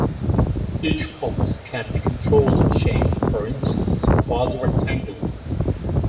Each pulse can be controlled in shape, for instance, quasi-rectangular.